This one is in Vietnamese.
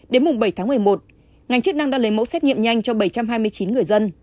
đến mùng bảy tháng một mươi một ngành chức năng đã lấy mẫu xét nghiệm nhanh cho bảy trăm hai mươi chín người dân